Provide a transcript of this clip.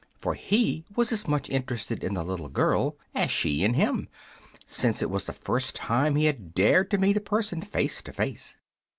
For he was as much interested in the little girl as she in him, since it was the first time he had dared to meet a person face to face.